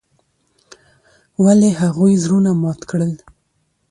ولې هغوي زړونه مات کړل.